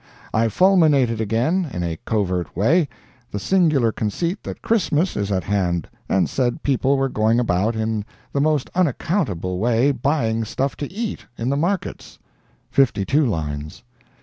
"I fulminated again, in a covert way, the singular conceit that Christmas is at hand, and said people were going about in the most unaccountable way buying stuff to eat, in the markets—52 lines.